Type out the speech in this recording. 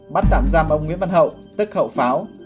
bắt tạm giam ông nguyễn văn hậu tức khẩu pháo